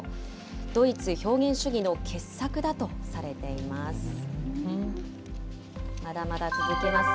ドイツ表現主義の傑作だとされています。